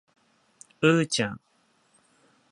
うーちゃん